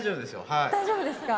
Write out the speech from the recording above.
大丈夫ですか？